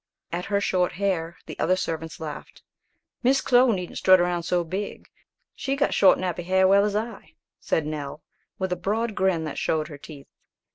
At her short hair, the other servants laughed, "Miss Clo needn't strut round so big, she got short nappy har well as I," said Nell, with a broad grin that showed her teeth.